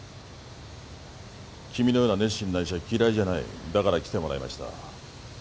君のような熱心な医者嫌いじゃないだから来てもらいました